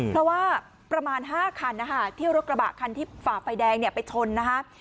เพราะว่าประมาณ๕คันนะคะที่รถกระบะคันที่ฝ่าไฟแดงเนี่ยไปชนนะคะ